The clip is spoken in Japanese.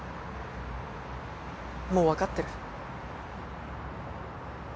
もうわかってる。